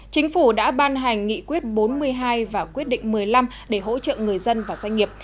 chính phủ đã ban hành nghị quyết bốn mươi hai và quyết định một mươi năm để hỗ trợ người dân và doanh nghiệp